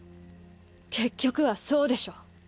結局はそうでしょ？